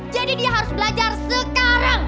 jadi dia harus belajar sekarang